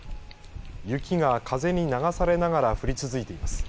雪が風に流されながら降り続いています。